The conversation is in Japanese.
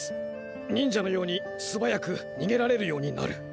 忍者のようにすばやくにげられるようになる。